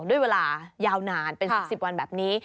ด้วยเวลายาวนานเป็น๑๐วันแบบนี้